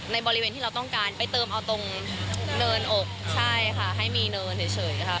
ในบริเวณที่เราต้องการไปเติมเอาตรงเนินอกใช่ค่ะให้มีเนินเฉยค่ะ